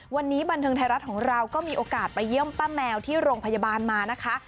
วันนี้บันเทิงไทยรัฐของเราก็มีโอกาสไปเยี่ยมป้าแมวที่โรงพยาบาลมานะคะ